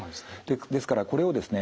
ですからこれをですね